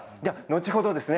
後ほど